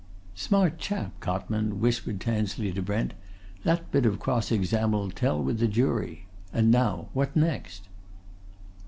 "Smart chap, Cotman!" whispered Tansley to Brent. "That bit of cross exam'll tell with the jury. And now, what next?"